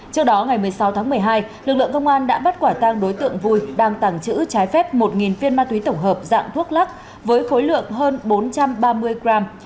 trước đó ngày một mươi sáu tháng một mươi hai lực lượng công an đã bắt quả tăng đối tượng vui đang tàng trữ trái phép một viên ma túy tổng hợp dạng thuốc lắc với khối lượng hơn bốn trăm ba mươi gram